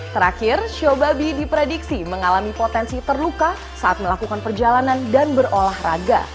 terakhir show babi diprediksi mengalami potensi terluka saat melakukan perjalanan dan berolahraga